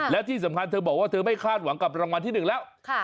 และที่สำคัญเธอบอกว่าเธอไม่คาดหวังกับรางวัลที่๑แล้ว